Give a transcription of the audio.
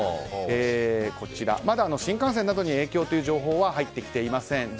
まだ新幹線などに影響という情報は入ってきていません。